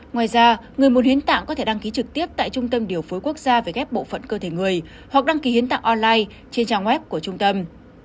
ngoài ra người muốn hiến tạng có thể đăng ký trực tiếp tại trung tâm điều phối quốc gia về ghép bộ phận cơ thể người hoặc đăng ký hiến tặng online trên trang web của trung tâm